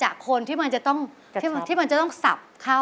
แต่ที่ผมก็เห็นเต้นเก่งมากคือ